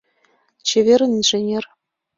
Чеверын, инженер!..